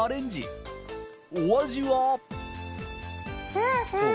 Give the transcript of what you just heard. うんうん！